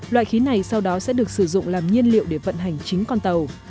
loại khí này sau đó sẽ được sử dụng làm nhiên liệu để vận hành chính con tàu